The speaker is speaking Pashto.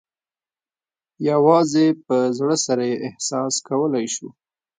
یوازې په زړه سره یې احساس کولای شو.